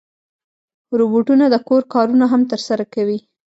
روبوټونه د کور کارونه هم ترسره کوي.